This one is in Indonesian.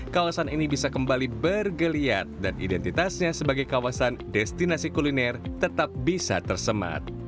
kawasan ini bisa kembali bergeliat dan identitasnya sebagai kawasan destinasi kuliner tetap bisa tersemat